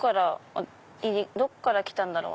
どっから来たんだろう？